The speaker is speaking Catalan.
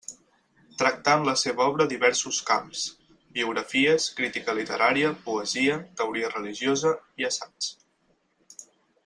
Tractà en la seva obra diversos camps: biografies, crítica literària, poesia, teoria religiosa, i assaigs.